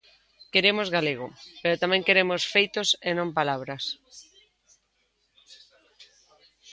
Queremos galego, pero tamén queremos feitos e non palabras.